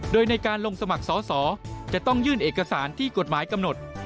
โดยในการลงสมัครสอสอจะต้องยื่นเอกสารที่กฎหมายกำหนด